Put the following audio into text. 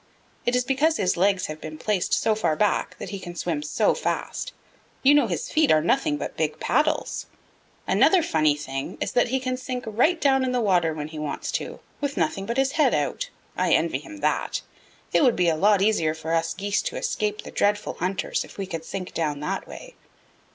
It is because his legs have been placed so far back that he can swim so fast. You know his feet are nothing but big paddles. Another funny thing is that he can sink right down in the water when he wants to, with nothing but his head out. I envy him that. It would be a lot easier for us Geese to escape the dreadful hunters if we could sink down that way."